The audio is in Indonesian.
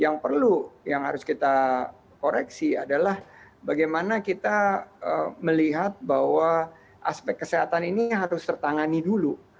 yang perlu yang harus kita koreksi adalah bagaimana kita melihat bahwa aspek kesehatan ini harus tertangani dulu